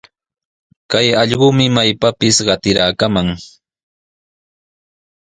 Kay allqumi maypapis qatiraakaman.